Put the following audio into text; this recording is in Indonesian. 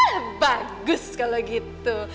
ah bagus kalau gitu